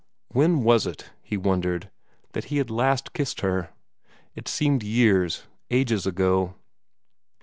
When was it, he wondered, that he had last kissed her? It seemed years, ages, ago.